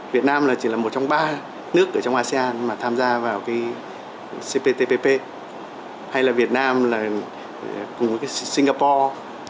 việt nam chỉ là một trong ba nước ở trong asean mà tham gia vào cptpp hay là việt nam là cùng với singapore